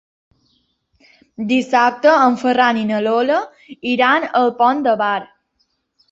Dissabte en Ferran i na Lola iran al Pont de Bar.